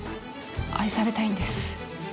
愛されたいんです。